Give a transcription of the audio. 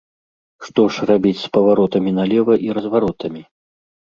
Што ж рабіць з паваротамі налева і разваротамі?